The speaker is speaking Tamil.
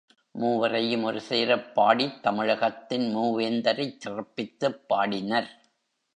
மூவரையும் ஒரு சேரப் பாடித் தமிழகத்தின் மூவேந்தரைச் சிறப்பித்துப் பாடினர்.